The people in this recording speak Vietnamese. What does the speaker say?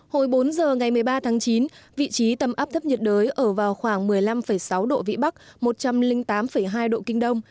hồi bốn giờ ngày một mươi ba tháng chín vị trí tâm áp thấp nhiệt đới ở vào khoảng một mươi năm sáu độ vĩ bắc một trăm linh tám hai độ kinh đông